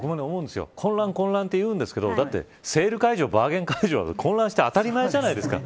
混乱、混乱というんですけどセール会場、バーゲン会場は混乱して当たり前じゃないですか。